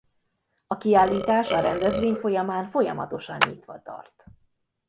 A kiállítás a rendezvény folyamán folyamatosan nyitva tart.